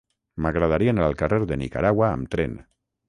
M'agradaria anar al carrer de Nicaragua amb tren.